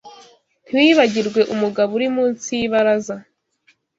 Ntiwibagirwe umugabo uri munsi yibaraza